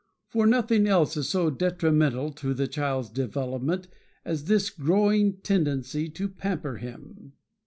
For nothing else is so detrimental to the child's development as this growing tendency to pamper him.